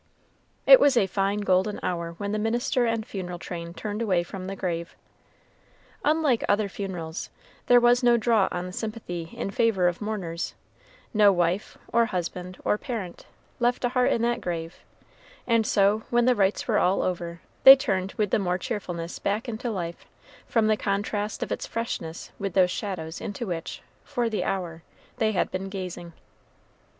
It was a fine golden hour when the minister and funeral train turned away from the grave. Unlike other funerals, there was no draught on the sympathies in favor of mourners no wife, or husband, or parent, left a heart in that grave; and so when the rites were all over, they turned with the more cheerfulness back into life, from the contrast of its freshness with those shadows into which, for the hour, they had been gazing.